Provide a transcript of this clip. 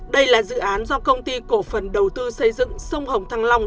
đây là dự án do công ty cổ phần đầu tư xây dựng sông hồng thăng long